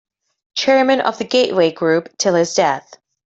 Chairman of the Gateway Group till his death.